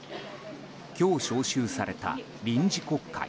今日召集された臨時国会。